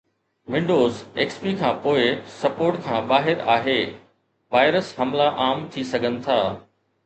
Windows XP کان پوءِ support کان ٻاهر آهي، وائرس حملا عام ٿي سگهن ٿا